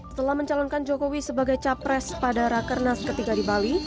setelah mencalonkan jokowi sebagai capres pada rakernas ketiga di bali